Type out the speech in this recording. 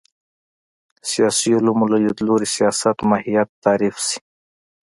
سیاسي علومو له لید لوري سیاست ماهیت تعریف شي